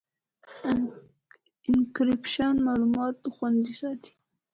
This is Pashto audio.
انکریپشن معلومات خوندي ساتي.